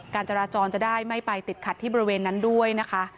การจราจรจะได้ไม่ไปติดขัดที่บริเวณนั้นด้วยนะคะ